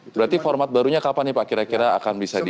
berarti format barunya kapan nih pak kira kira akan bisa di